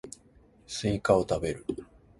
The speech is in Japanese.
スイカを食べる